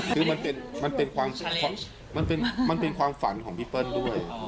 คือมันเป็นความฝันของพี่เปิ้ลด้วย